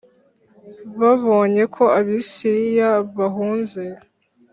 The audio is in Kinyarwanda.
babonye ko Abasiriya bahunze